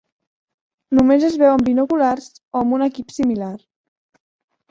Només es veu amb binoculars o amb un equip similar.